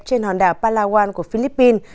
trên hòn đảo palawan của philippines